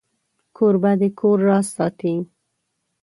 کوربه د کور راز ساتي.